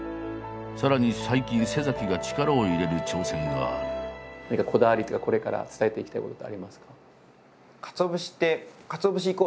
さらに最近が力を入れる挑戦がある何かこだわりっていうかこれから伝えていきたいことってありますか。